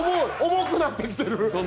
重くなってきてる！